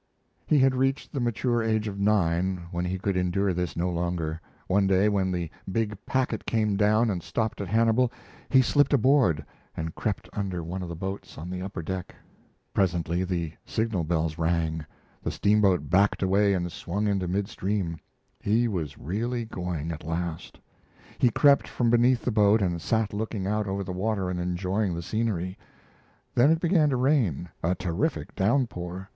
He had reached the mature age of nine when he could endure this no longer. One day, when the big packet came down and stopped at Hannibal, he slipped aboard and crept under one of the boats on the upper deck. Presently the signal bells rang, the steamboat backed away and swung into midstream; he was really going at last. He crept from beneath the boat and sat looking out over the water and enjoying the scenery. Then it began to rain a terrific downpour.